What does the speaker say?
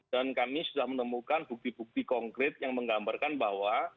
dan kami sudah menemukan bukti bukti konkret yang menggambarkan bahwa